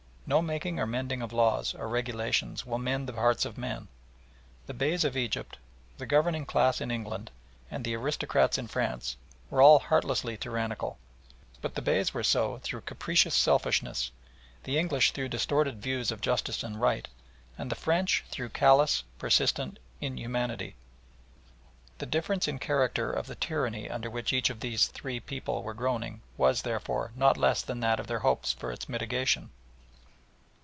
No making or mending of laws or regulations will mend the hearts of men. The Beys of Egypt, the governing class in England, and the aristocrats in France were all heartlessly tyrannical, but the Beys were so through capricious selfishness, the English through distorted views of justice and right, and the French through callous, persistent inhumanity. The difference in character of the tyranny under which each of the three peoples were groaning was, therefore, not less than that of their hopes for its mitigation.